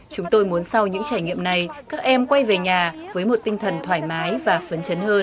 chúng tôi muốn sau những trải nghiệm này các em quay về nhà với một tinh thần thoải mái và phấn chấn hơn